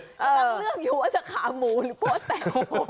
ต้องเลือกอยู่ว่าจะขาหมูหรือโป๊ตแต่โห